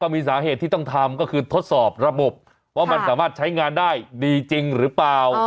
มีสาเหตุที่ต้องทำก็คือทดสอบระบบว่ามันสามารถใช้งานได้ดีจริงหรือเปล่า